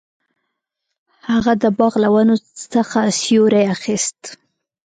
هغه د باغ له ونو څخه سیوری اخیست.